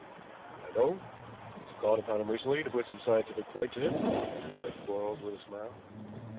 "I know. I called upon him recently to put some scientific point to him," said Quarles with a smile.